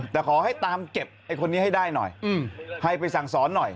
แต่ขอให้ตามเก็บไอ้คนนี้ให้ได้หน่อยให้ไปสั่งสอนหน่อย